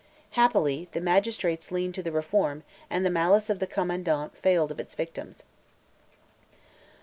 Happily, the magistrates leaned to the Reform, and the malice of the commandant failed of its victims.